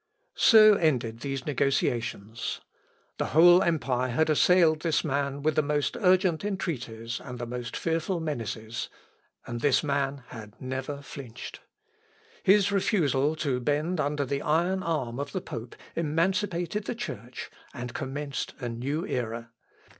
So ended these negotiations. The whole empire had assailed this man with the most urgent entreaties and the most fearful menaces, and this man had never flinched. His refusal to bend under the iron arm of the pope emancipated the Church, and commenced a new era.